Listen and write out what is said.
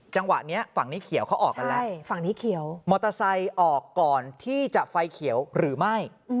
จังหวะนี้ฝั่งนี้เขียวเขาออกกันแล้วฝั่งนี้เขียวมอเตอร์ไซค์ออกก่อนที่จะไฟเขียวหรือไม่